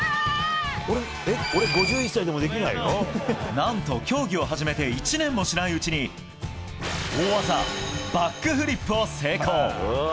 何と、競技を始めて１年もしないうちに大技バックフリップを成功。